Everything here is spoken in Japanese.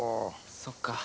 そっか。